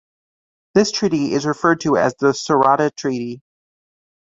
This treaty is referred to as the Sarada Treaty.